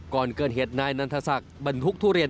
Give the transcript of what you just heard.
ก่อนเกิดเหตุนายนันทศักดิ์บรรทุกทุเรียน